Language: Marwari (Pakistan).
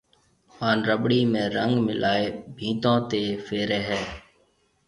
ھان رٻڙِي ۾ رنگ ملائيَ ڀينتون تيَ ڦيرَي ھيََََ